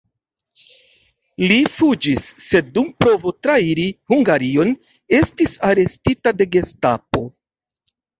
Li fuĝis, sed dum provo trairi Hungarion estis arestita de Gestapo.